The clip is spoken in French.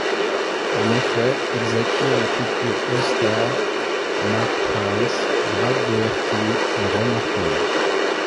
En effet, ils acquirent les futurs All-Stars Mark Price, Brad Daugherty et Ron Harper.